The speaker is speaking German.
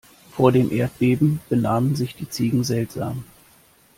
Vor dem Erdbeben benahmen sich die Ziegen seltsam.